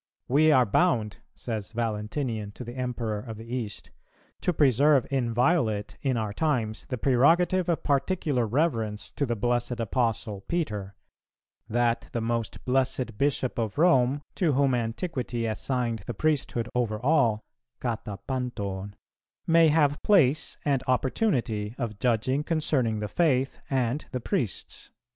"We are bound," says Valentinian to the Emperor of the East, "to preserve inviolate in our times the prerogative of particular reverence to the blessed Apostle Peter; that the most blessed Bishop of Rome, to whom Antiquity assigned the priesthood over all (κατὰ πάντων) may have place and opportunity of judging concerning the faith and the priests."